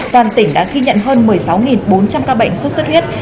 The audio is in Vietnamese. toàn tỉnh đã ghi nhận hơn một mươi sáu bốn trăm linh ca bệnh sốt xuất huyết